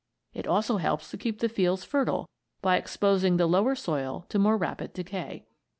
It also helps to keep the fields fertile by exposing the lower soil to more rapid decay.